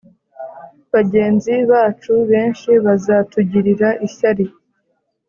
bagenzi bacu benshi bazatugirira ishyari